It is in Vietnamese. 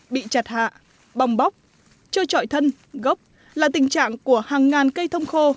bị chặt hạ bong bóc trôi trọi thân gốc là tình trạng của hàng ngàn cây thông khô